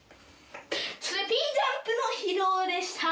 スピンジャンプの披露でした！